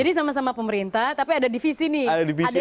jadi sama sama pemerintah tapi ada divisi nih